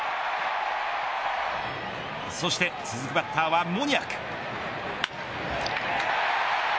そして続くバッターはモニアク。